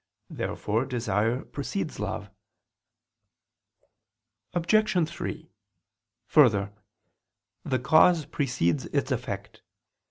Therefore desire precedes love. Obj. 3: Further, the cause precedes its effect.